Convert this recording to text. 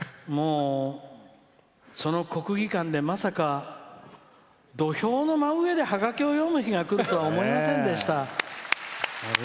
もう、国技館でまさか土俵の真上でハガキを読むとは思いませんでした。